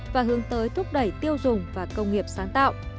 và hướng tới thúc đẩy tiêu dùng và công nghiệp sáng tạo